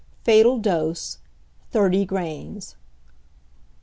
Fatal Dose. Thirty grains.